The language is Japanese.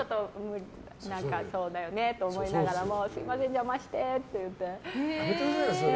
そうだよねと思いながらもすみません、お邪魔してって。